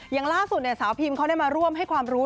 อย่างล่าสุดสาวพิมเขาได้มาร่วมให้ความรู้